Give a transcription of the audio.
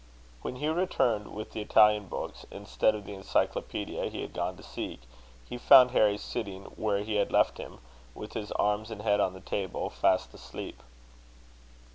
When Hugh returned with the Italian books, instead of the encyclopaedia he had gone to seek, he found Harry sitting where he had left him, with his arms and head on the table, fast asleep.